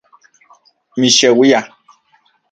Mixeuia